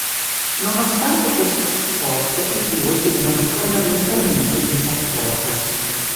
Nonostante questo supporto, i due erano fondamentalmente in disaccordo.